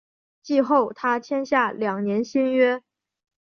季后他签下两年新约。